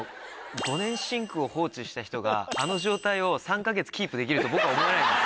５年シンクを放置した人があの状態を３か月キープできると僕は思えないです。